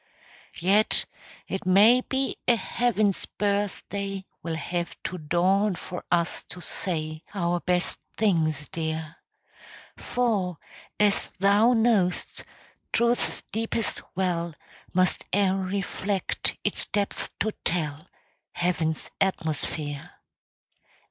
Yet, it may be a heaven's birthday Will have to dawn for us to say Our best things, dear. For, as thou know'st, Truth's deepest well Must e'er reflect, its depths to tell Heaven's atmosphere.